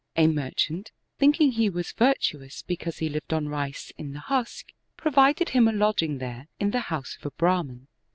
A merchant, thinking he was virtuous, because he lived on rice in the husk, provided him a lodging there in the house of a Brah man.